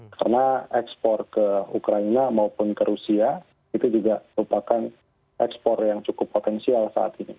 karena ekspor ke ukraina maupun ke rusia itu juga merupakan ekspor yang cukup potensial saat ini